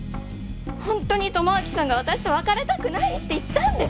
ほんとに智明さんが私と別れたくないって言ったんです。